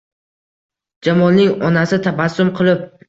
Jamolning onasi tabassum qilib